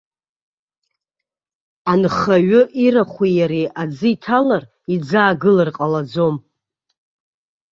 Анхаҩы ирахәи иареи аӡы иҭалар иӡаагылар ҟалаӡом.